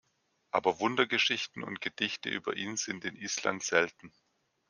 Aber Wundergeschichten und Gedichte über ihn sind in Island selten.